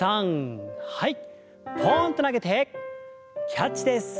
ポンと投げてキャッチです。